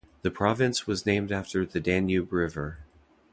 The province was named after the Danube River.